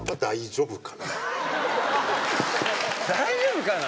「大丈夫かな」？